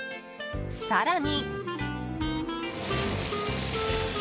更に。